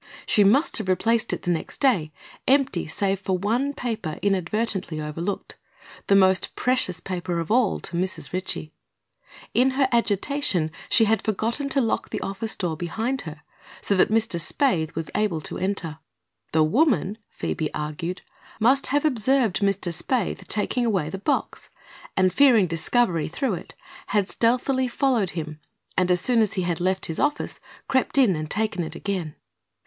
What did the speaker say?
She must have replaced it, the next day, empty save for one paper inadvertently overlooked the most precious paper of all to Mrs. Ritchie. In her agitation she had forgotten to lock the office door behind her, so that Mr. Spaythe was able to enter. The woman, Phoebe argued, must have observed Mr. Spaythe taking away the box and, fearing discovery through it, had stealthily followed him and as soon as he had left his office crept in and taken it again.